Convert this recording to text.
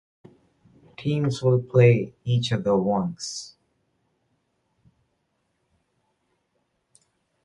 Teams will play each other once.